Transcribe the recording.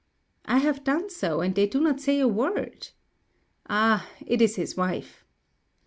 'I have done so, and they do not say a word.' 'Ah, it is his wife.'